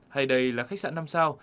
hay đây là khách sạn năm sao